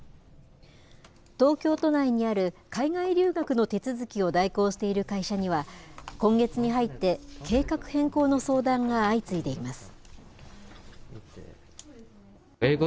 東京都内にある、海外留学の手続きを代行している会社には、今月に入って、計画変更の相談が相次いでいます。